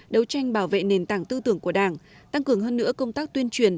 đấu tranh bảo vệ nền tảng tư tưởng của đảng tăng cường hơn nữa công tác tuyên truyền